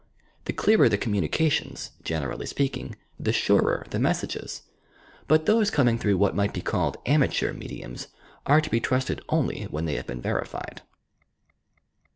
The clearer the com munications, generally speaking, the surer the messages, but those coming through what might be called "Am ateur Mediums" are to be trusted ouly when they have been verified